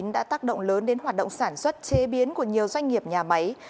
đã tác động lớn đến hoạt động sản xuất chế biến của nhiều doanh nghiệp nhà máy